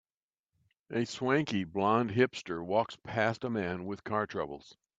A swanky, blond hipster walks past a man with car troubles.